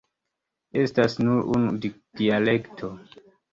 Estas nur unu dialekto.